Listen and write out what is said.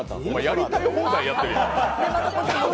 やりたい放題やってるやん。